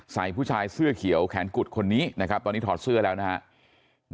ผู้ชายเสื้อเขียวแขนกุดคนนี้นะครับตอนนี้ถอดเสื้อแล้วนะครับ